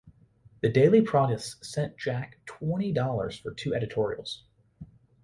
The Daily Proteus sent Jack twenty dollars for two editorials.